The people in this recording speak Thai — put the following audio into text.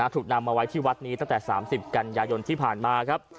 ถูกนำมาไว้ที่วัดนี้ตั้งแต่๓๐กันยายนที่ผ่านมาครับ